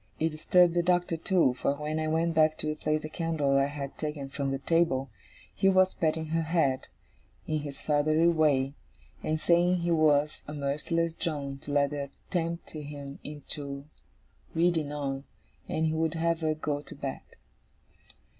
It disturbed the Doctor too, for when I went back to replace the candle I had taken from the table, he was patting her head, in his fatherly way, and saying he was a merciless drone to let her tempt him into reading on; and he would have her go to bed.